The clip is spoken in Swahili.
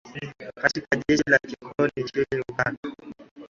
katika jeshi la kikoloni nchini Uganda